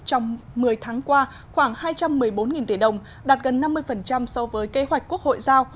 trong một mươi tháng qua khoảng hai trăm một mươi bốn tỷ đồng đạt gần năm mươi so với kế hoạch quốc hội giao